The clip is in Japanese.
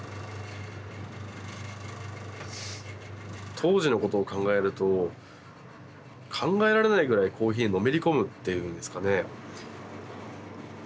当時のことを考えると考えられないぐらいコーヒーにのめり込むっていうんですかね。